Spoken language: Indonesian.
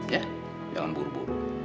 ya jangan buru buru